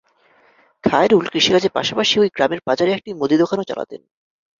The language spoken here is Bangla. খায়রুল কৃষিকাজের পাশাপাশি ওই গ্রামের বাজারে একটি মুদি দোকানও চালাতেন।